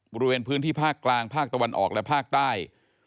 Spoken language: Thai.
บริเวณพื้นที่ภาคกลางภาคตะวันออกและภาคใต้